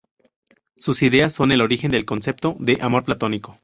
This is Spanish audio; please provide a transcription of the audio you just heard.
Sus ideas son el origen del concepto de amor platónico.